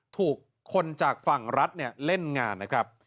ถูกคนจากฝั่งรัฐเล่นงานนะครับ